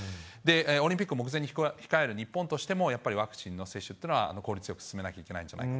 オリンピックを目前に控える日本としても、やっぱりワクチンの接種というのは効率よく進めなきゃいけないんじゃないか。